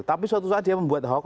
tapi suatu saat dia membuat hoax